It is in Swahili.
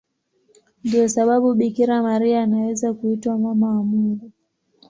Ndiyo sababu Bikira Maria anaweza kuitwa Mama wa Mungu.